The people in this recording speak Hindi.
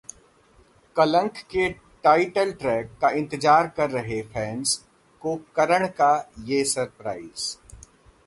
कलंक के टाइटल ट्रैक का इंतजार कर रहे फैंस को करण का ये सरप्राइज